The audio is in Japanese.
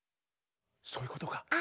そういうことか。